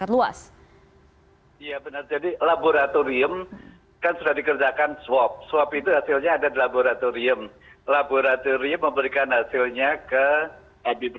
namun laboratorium wajib melaporkan ke dinas kesehatan